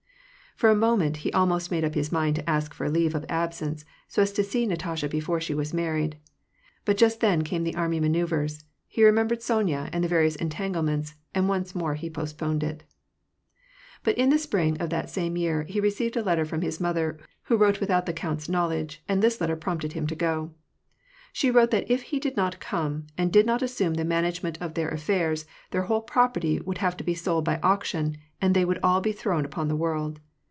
For a moment he almost made up his mind to ask for leave of absence, so as to see Natasha before she was married ; but just then came the army manoeuvres, he remembered Sony a and the various entanglements, and once more he postponed it. But in the spring of that same year he received a letter from his mother, who wrote without the count's knowledge, and this letter prompted him to go. She wrote that if he did not cqme, and did not assume the management of their affairs, their whole property would have to be sold by auction, and they would all be thrown upon the world.